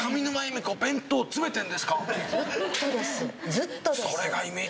ずっとです。